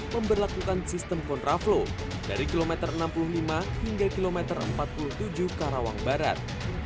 memperlakukan sistem kontraflow dari kilometer enam puluh lima hingga kilometer empat puluh tujuh karawang barat